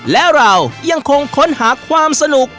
และเรายังคงค้นหาความสนุก